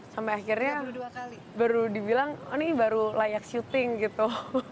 sampai akhirnya baru dibilang oh ini baru layak syuting gitu